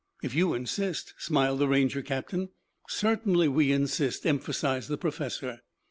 "If you insist," smiled the Ranger captain. "Certainly we insist," emphasized the professor.